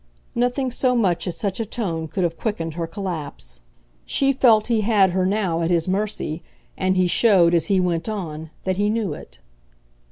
Nothing so much as such a tone could have quickened her collapse; she felt he had her now at his mercy, and he showed, as he went on, that he knew it.